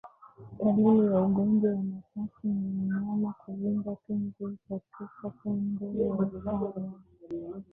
Dalili ya ugonjwa wa mapafu ni mnyama kuvimba tezi katika pembe ya taya